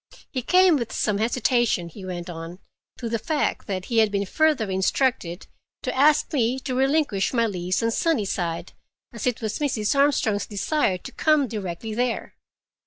He came with some hesitation, he went on, to the fact that he had been further instructed to ask me to relinquish my lease on Sunnyside, as it was Mrs. Armstrong's desire to come directly there.